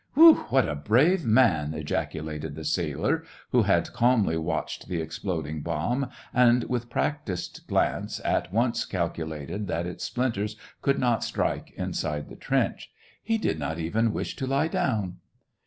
" Whew ! what a brave man !" ejaculated the sailor, who had calmly watched the exploding S2 SEVASTOPOL IN MAY. bomb, and, with practised glance, at once cal culated that its splinters could not strike in side the trench ;" he did not even wish to lie down."